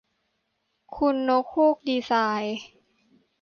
คุณนกฮูกดีไซน์